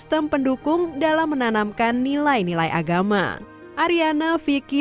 tetapi sehingga sekarang dia terlihat di rumah saat ini